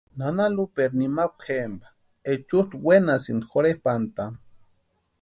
Nana Lupaeri nimakwa jempa echutʼa wenasïnti jorhepʼantani.